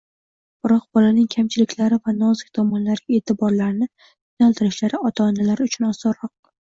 Biroq bolaning kamchiliklari va nozik tomonlariga e’tiborlarini yo‘naltirishlari ota-onalar uchun osonroq.